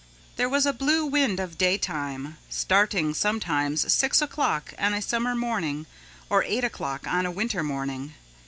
There was a blue wind of day time, starting sometimes six o'clock on a summer morning or eight o'clock on a winter morning.